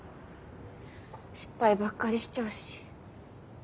失敗ばっかりしちゃうし。